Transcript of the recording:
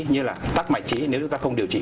như là tắc mạnh trĩ nếu chúng ta không điều trị